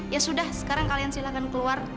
ya sudah sekarang kalian silakan keluar